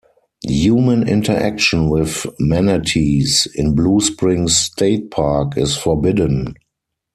Human interaction with manatees in Blue Spring State Park is forbidden.